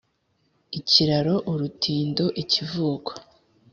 ikiraro, urutindo, ikivuko